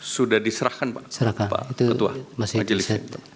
sudah diserahkan pak ketua majelis